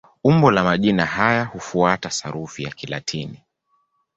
Umbo la majina haya hufuata sarufi ya Kilatini.